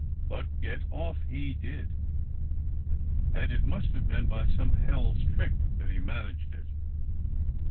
But get off he did, and it must have been by some hell's trick that he managed it.